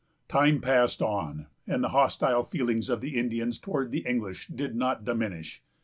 Time passed on, and the hostile feelings of the Indians towards the English did not diminish.